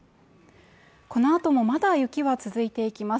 このあともまだ雪は続いていきます